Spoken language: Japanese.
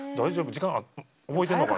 時間、覚えてんのかな？